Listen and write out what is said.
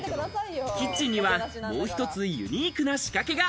キッチンにはもう１つユニークな仕掛けが。